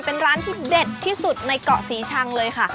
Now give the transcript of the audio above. เป็นร้านที่เด็ดที่สุดในเกาะศรีชังเลยค่ะ